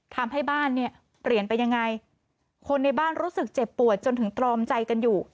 ทำให้บ้านเนี่ยเปลี่ยนไปยังไงคนในบ้านรู้สึกเจ็บปวดจนถึงตรอมใจกันอยู่